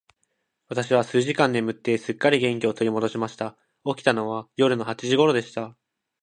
私は数時間眠って、すっかり元気を取り戻しました。起きたのは夜の八時頃でした。